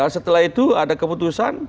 setelah itu ada keputusan